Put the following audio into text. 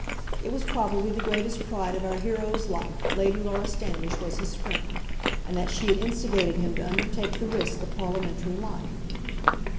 It was probably the greatest pride of our hero's life that Lady Laura Standish was his friend, and that she had instigated him to undertake the risk of parliamentary life.